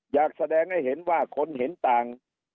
อยากแสดงให้เห็นว่าคนเห็นต่าง